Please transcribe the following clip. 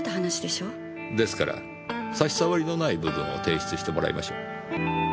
ですから差し障りのない部分を提出してもらいましょう。